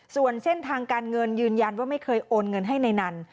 ส่วนเส้นทางการเงินยืนยันว่าไม่เคยโอนเงินให้ในนั้น